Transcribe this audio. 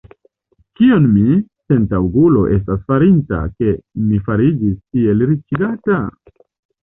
Kion mi, sentaŭgulo, estas farinta, ke mi fariĝis tiel riĉigata?